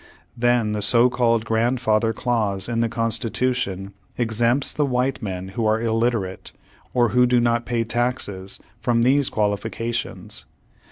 Then the so called grand father clause in the Constitution exempts the white men who are illiterate, or who do not pay taxes, from these qualifications.